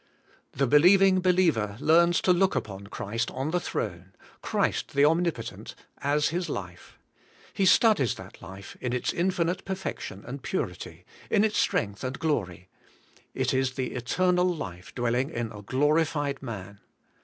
The believing believer learns to look upon Christ on the throne, Christ the Omnipotent, as his life. He studies that life in its infinite perfection and purity, in its strength and glory; it is the eternal life dwelling in a glorified man.